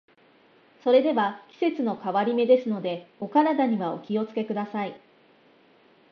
それでは、季節の変わり目ですので、お体にはお気を付けください。